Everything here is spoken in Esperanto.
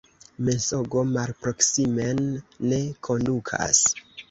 Mensogo malproksimen ne kondukas.